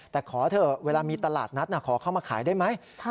แต่ขอเถอะเวลามีตลาดนัดขอเข้ามาขายได้ไหม